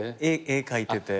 絵描いてて。